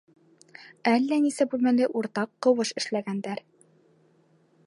Әллә нисә бүлмәле уртаҡ ҡыуыш эшләгәндәр.